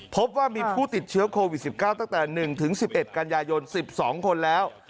พบว่ามีผู้ติดเชื้อโควิด๑๙ตั้งแต่๑๑๑กันยายน๑๒คนแล้ว